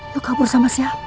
lu kabur sama siapa